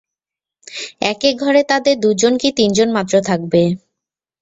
এক এক ঘরে তাদের দু-জন কি তিন জন মাত্র থাকবে।